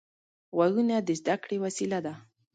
غوږونه د زده کړې وسیله ده